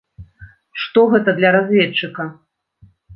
Што гэта для разведчыка?